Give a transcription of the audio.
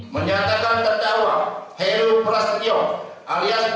menyatakan terdakwa heru prasetyo alias putra rewa bikim nujahyanok